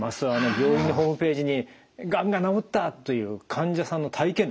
病院のホームページに「がんが治った」という患者さんの体験談。